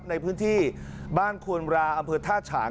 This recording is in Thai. ในพื้นที่บ้านควนราอำเภอท่าฉาง